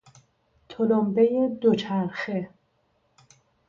تلمبهی دوچرخه